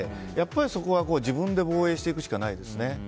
そこは自分で防衛していくしかないですね。